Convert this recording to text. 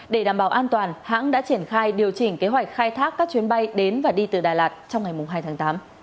để đảm bảo an toàn hãng đã triển khai điều chỉnh kế hoạch khai thác các chuyến bay đến và đi từ đà lạt trong ngày hai tháng tám